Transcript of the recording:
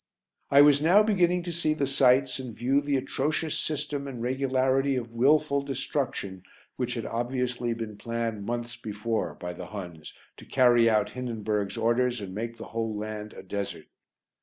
I was now beginning to see the sights and view the atrocious system and regularity of wilful destruction which had obviously been planned months before by the Huns to carry out Hindenburg's orders and make the whole land a desert.